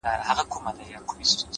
مثبت انسان د تیارو منځ کې رڼا ویني,